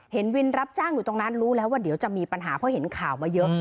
เห็นวินรับจ้างอยู่ตรงนั้นรู้แล้วว่าเดี๋ยวจะมีปัญหาเพราะเห็นข่าวมาเยอะ